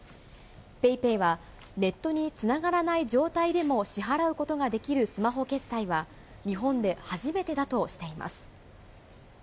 ＰａｙＰａｙはネットにつながらない状態でも支払うことができるスマホ決済は、日本で初めてだとしています。